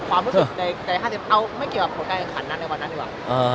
ความรู้สึกใน๕๐เอาไม่เกี่ยวกับผลการขันนั้นหรือว่านั้นหรือว่า